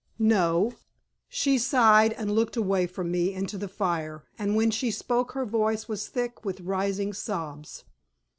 "No." She sighed and looked away from me into the fire, and when she spoke her voice was thick with rising sobs.